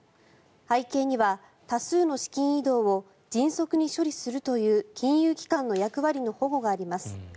背景には、多数の資金移動を迅速に処理するという金融機関の役割の保護があります。